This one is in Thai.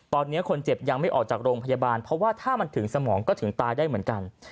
ตอนนี้คนเจ็บยังไม่ออกจากโรงพยาบาลเพราะว่าถ้ามันถึงสมองก็ถึงตายได้เหมือนกัน